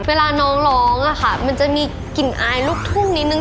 เวลาน้องร้องอะค่ะมันจะมีกลิ่นอายลูกทุ่งนิดนึง